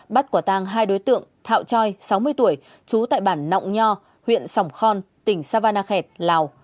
bắt quả tang hai đối tượng thạo choi sáu mươi tuổi trú tại bản nọng nho huyện sòng khon tỉnh savanakhet lào